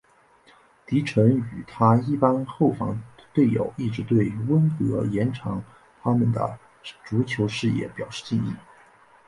迪臣与他一班后防队友一直对温格延长他们的足球事业表示敬意。